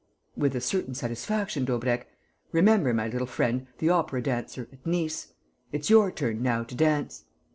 "With a certain satisfaction, Daubrecq. Remember my little friend, the opera dancer, at Nice.... It's your turn now to dance."